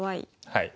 はい。